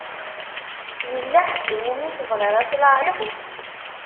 Yella ḥedd i wumi tebɣiḍ ad tlaɛiḍ?